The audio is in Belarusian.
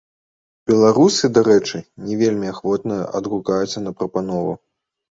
Беларусы, дарэчы, не вельмі ахвотна адгукаюцца на прапанову.